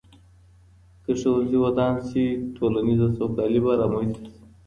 که ښوونځي ودان سي ټولنیزه سوکالي به رامنځته سي.